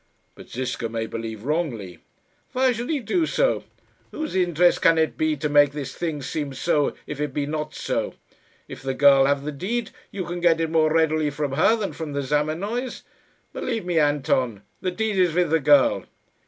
"But Ziska may believe wrongly." "Why should he do so? Whose interest can it be to make this thing seem so, if it be not so? If the girl have the deed, you can get it more readily from her than from the Zamenoys. Believe me, Anton, the deed is with the girl."